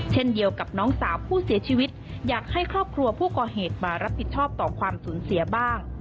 เช่นเดียวกับน้องสาวผู้เสียชีวิตอยากให้ครอบครัวผู้ก่อเหตุมารับผิดชอบต่อความสูญเสียบ้าง